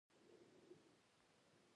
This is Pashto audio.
د موم د څه لپاره وکاروم؟